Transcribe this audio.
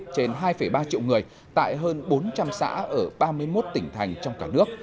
trên hai ba triệu người tại hơn bốn trăm linh xã ở ba mươi một tỉnh thành trong cả nước